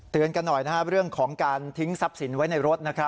เตือนกันหน่อยนะครับเรื่องของการทิ้งทรัพย์สินไว้ในรถนะครับ